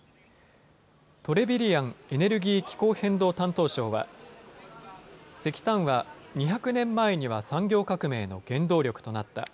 トレビリアンエネルギー気候変動担当相は、石炭は２００年前には産業革命の原動力となった。